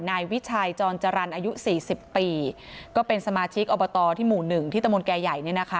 นายวิชัยจรจรรย์อายุสี่สิบปีก็เป็นสมาชิกอบตที่หมู่หนึ่งที่ตะมนตแก่ใหญ่เนี่ยนะคะ